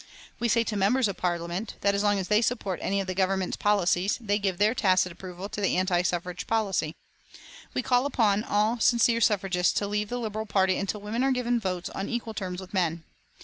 We say to members of Parliament that as long as they support any of the Government's policies they give their tacit approval to the anti suffrage policy. We call upon all sincere suffragists to leave the Liberal party until women are given votes on equal terms with men.